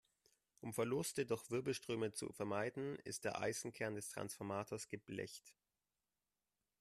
Um Verluste durch Wirbelströme zu vermeiden, ist der Eisenkern des Transformators geblecht.